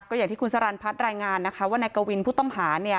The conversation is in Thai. อย่างที่คุณสรรพัฒน์รายงานนะคะว่านายกวินผู้ต้องหา